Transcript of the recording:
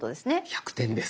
１００点です。